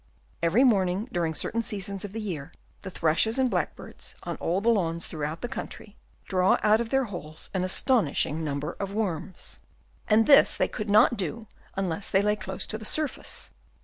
Every morning during cer tain seasons of the year, the thrushes and blackbirds on all the lawns throughout the country draw out of their holes an astonishing number of worms ; and this they could not do, unless they lay close to the surface.